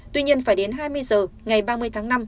tuy nhiên phải đến hai mươi h ngày ba mươi tháng năm